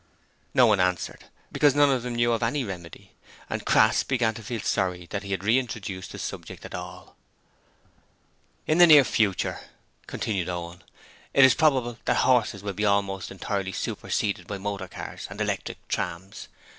No one answered, because none of them knew of any remedy: and Crass began to feel sorry that he had re introduced the subject at all. 'In the near future,' continued Owen, 'it is probable that horses will be almost entirely superseded by motor cars and electric trams.